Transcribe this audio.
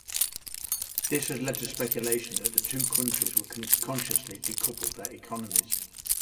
This has led to speculation that the two countries will consciously "decouple" their economies.